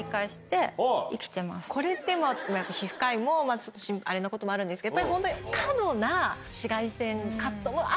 これって皮膚科医もちょっとあれなこともあるんですけど。